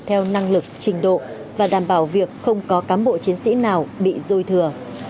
theo năng lực trình độ và đảm bảo việc không có cám bộ chiến sĩ nào bị dôi thừa